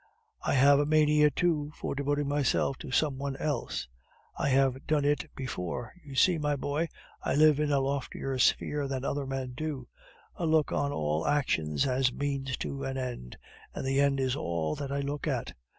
I have a mania, too, for devoting myself to some one else. I have done it before. You see, my boy, I live in a loftier sphere than other men do; I look on all actions as means to an end, and the end is all that I look at.